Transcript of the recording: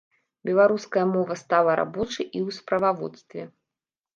Беларуская мова стала рабочай і ў справаводстве.